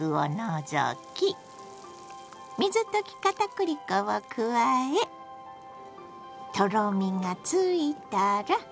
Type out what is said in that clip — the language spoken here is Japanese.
水溶き片栗粉を加えとろみがついたら。